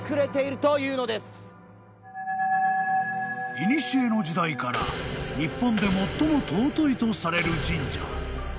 ［いにしえの時代から日本で最も尊いとされる神社］